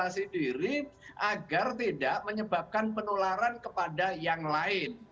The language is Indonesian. dan memaksakan diri agar tidak menyebabkan penularan kepada yang lain